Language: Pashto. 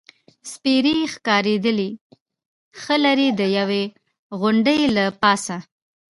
سپېرې ښکارېدلې، ښه لرې، د یوې غونډۍ له پاسه.